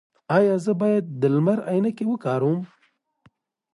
ایا زه باید د لمر عینکې وکاروم؟